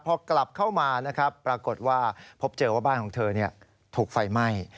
พอกลับเข้ามานะครับปรากฏว่าพบเจอว่าบ้านของเธอถูกไฟไหม้